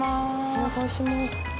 お願いします。